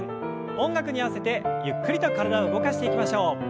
音楽に合わせてゆっくりと体を動かしていきましょう。